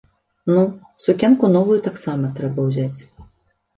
Ну, сукенку новую таксама трэба ўзяць.